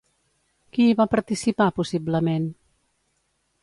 Qui hi va participar, possiblement?